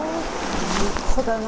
いい子だな。